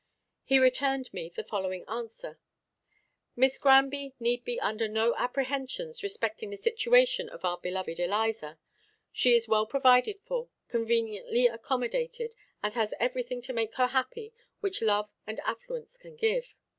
He returned me the following answer: "Miss Granby need be under no apprehensions respecting the situation of our beloved Eliza. She is well provided for, conveniently accommodated, and has every thing to make her happy which love and affluence can give.